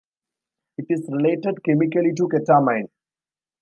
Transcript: It is related chemically to ketamine.